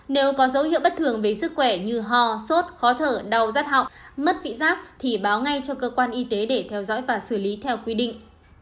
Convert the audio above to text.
nếu có dấu hiệu bất thường về sức khỏe như ho sốt khó thở đau rắt họng mất vị giác thì báo ngay cho cơ quan y tế để theo dõi và xử lý theo quy định